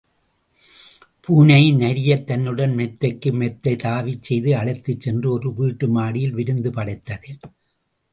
பூனையும் நரியைத் தன்னுடன் மெத்தைக்கு மெத்தை தாவச் செய்து அழைத்துச் சென்று ஒரு வீட்டு மாடியில் விருந்து படைத்தது.